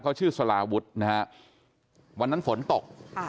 เขาชื่อสลาวุธวันนั้นฝนตก